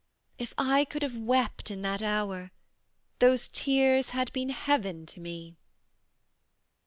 If I could have wept in that hour, Those tears had been heaven to me.